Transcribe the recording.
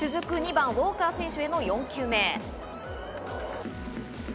２番・ウォーカー選手への４球目。